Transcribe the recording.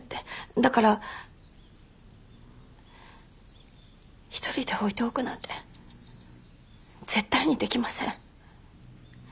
だから一人で置いておくなんて絶対にできません。